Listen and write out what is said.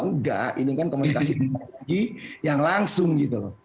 tidak ini kan komunikasi yang langsung gitu